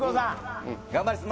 頑張ります。